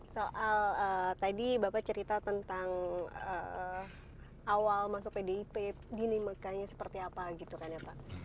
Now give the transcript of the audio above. soal tadi bapak cerita tentang awal masuk pdip dinamikanya seperti apa gitu kan ya pak